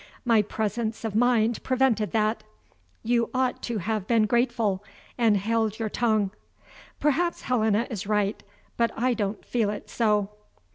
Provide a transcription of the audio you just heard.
My presence of mind prevented that. You ought to have been grateful, and held your tongue." Perhaps Helena is right but I don't feel it so.